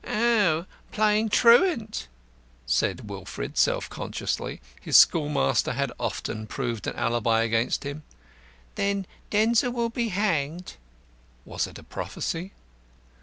"Ah, playing truant," said Wilfred, self consciously; his schoolmaster had often proved an alibi against him. "Then Denzil will be hanged." Was it a prophecy?